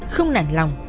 không nản lòng